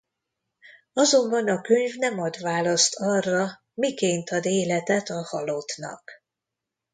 Azonban a könyv nem ad választ arra miként ad életet a halottnak.